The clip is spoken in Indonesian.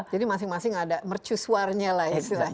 jadi masing masing ada mercusuarnya lah ya